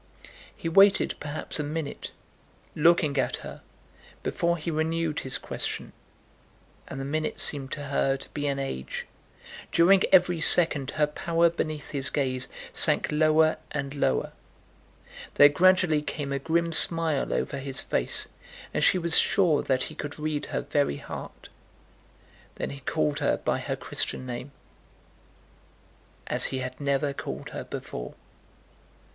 He waited perhaps a minute, looking at her, before he renewed his question; and the minute seemed to her to be an age. During every second her power beneath his gaze sank lower and lower. There gradually came a grim smile over his face, and she was sure that he could read her very heart. Then he called her by her Christian name, as he had never called her before.